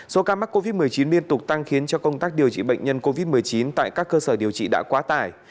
số ca mắc covid một mươi chín liên tục tăng khiến cho công tác điều trị bệnh nhân covid một mươi chín tại các cơ sở điều trị đã quá tải